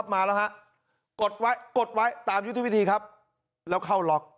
เผื่อ